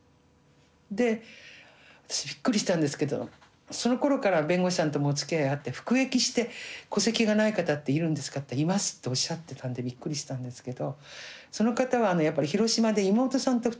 で私びっくりしたんですけどそのころから弁護士さんともおつきあいあって服役して戸籍がない方っているんですかっていったらいますっておっしゃってたんでびっくりしたんですけど。